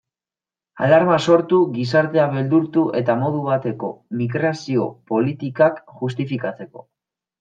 Alarma sortu, gizartea beldurtu, eta modu bateko migrazio politikak justifikatzeko.